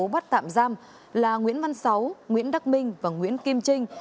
bắt tạm giam là nguyễn văn sáu nguyễn đắc minh và nguyễn kim trinh